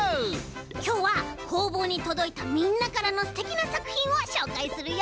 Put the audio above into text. きょうはこうぼうにとどいたみんなからのすてきなさくひんをしょうかいするよ！